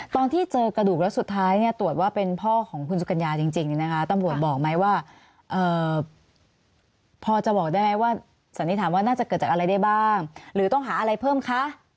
ตอนที่เจอกระดูกแล้วสุดท้ายเนี่ยตรวจว่าเป็นพ่อของคุณสุกัญญาจริงเนี่ยนะคะตำรวจบอกไหมว่าพอจะบอกได้ไหมว่าสันนิษฐานว่าน่าจะเกิดจากอะไรได้บ้างหรือต้องหาอะไรเพิ่มคะ